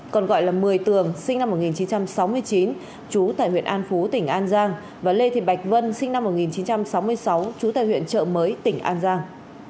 còn gọi là mười tường sinh năm một nghìn chín trăm sáu mươi chín chú tại huyện an phú tỉnh an giang và lê thị bạch vân sinh năm một nghìn chín trăm sáu mươi sáu trú tại huyện trợ mới tỉnh an giang